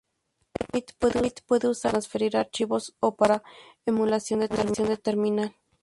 Kermit puede usarse para transferir archivos o para emulación de terminal.